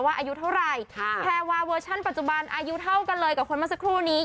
อายุเท่าไหร่แพรวาเวอร์ชันปัจจุบันอายุเท่ากันเลยกับคนเมื่อสักครู่นี้